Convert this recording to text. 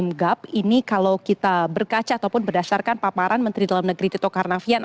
menganggap ini kalau kita berkaca ataupun berdasarkan paparan menteri dalam negeri tito karnavian